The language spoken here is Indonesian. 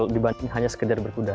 dibanding hanya sekedar berkuda